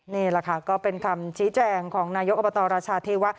นี่แหละค่ะก็เป็นคำชี้แจงของนายกอบตรราชาเทวะ